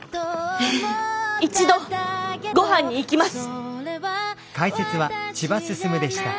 一度ごはんに行きます。